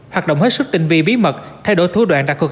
hoạt động hết sức tình vi bí mật thay đổi thủ đoạn đặc thuật